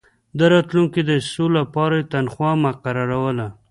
د راتلونکو دسیسو لپاره یې تنخوا مقرروله.